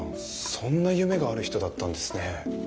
そんな夢がある人だったんですねえ。